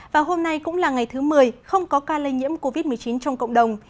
và hôm nay cũng là ngày thứ một mươi không có ca lây nhiễm covid một mươi chín trong cộng đồng